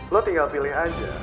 lo tinggal pilih aja